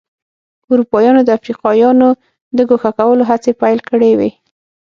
اروپایانو د افریقایانو د ګوښه کولو هڅې پیل کړې وې.